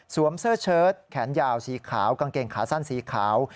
เสื้อเชิดแขนยาวสีขาวกางเกงขาสั้นสีขาว